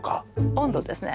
温度ですね。